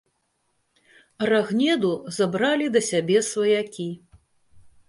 Рагнеду забралі да сябе сваякі.